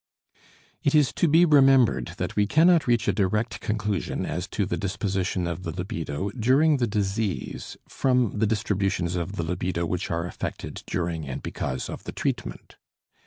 It is to be remembered that we cannot reach a direct conclusion as to the disposition of the libido during the disease from the distributions of the libido which are effected during and because of the treatment.